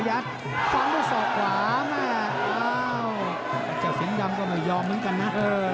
อ้าวเจ้าเสียงดำก็ไม่ยอมงั้นกันน่ะ